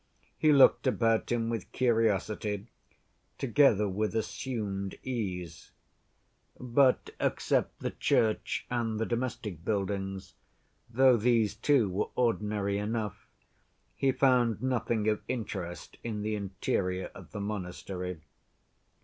He looked about him with curiosity, together with assumed ease. But, except the church and the domestic buildings, though these too were ordinary enough, he found nothing of interest in the interior of the monastery.